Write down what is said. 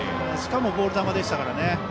しかもボール球でしたから。